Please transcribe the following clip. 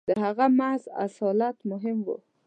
• د هغه محض اصالت مهم و.